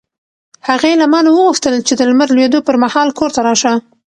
هغې له ما نه وغوښتل چې د لمر لوېدو پر مهال کور ته راشه.